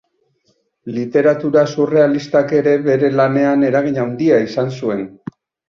Literatura surrealistak ere bere lanean eragin handia izan zuen.